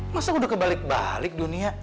masa udah kebalik balik dunia